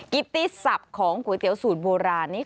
ิตตี้สับของก๋วยเตี๋ยวสูตรโบราณนี้